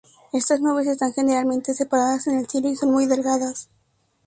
Estas nubes están generalmente separadas en el cielo y son muy delgadas.